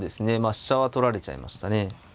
飛車は取られちゃいましたね。